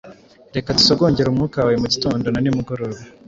reka dusogongere umwuka wawe mugitondo na nimugoroba